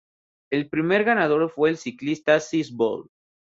El primer ganador fue el ciclista Cees Bol.